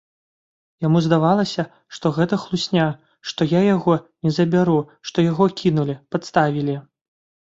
Яму здавалася, што гэта хлусня, што я яго не забяру, што яго кінулі, падставілі.